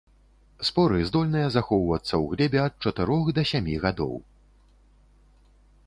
Споры здольныя захоўвацца ў глебе ад чатырох да сямі гадоў.